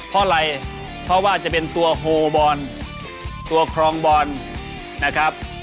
เพราะอะไรเพราะว่าจะเป็นตัวโฮบอลตัวครองบอลนะครับ